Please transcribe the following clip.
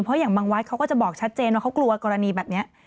เพราะอย่างบางวัดเขาก็จะบอกชัดเจนว่าเขากลัวกรณีแบบนี้